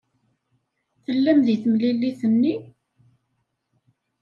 Tellam deg temlilit-nni?